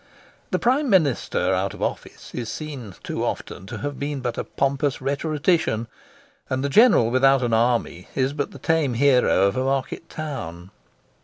The Prime Minister out of office is seen, too often, to have been but a pompous rhetorician, and the General without an army is but the tame hero of a market town.